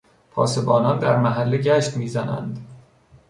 پاسبانان در محله گشت میزنند.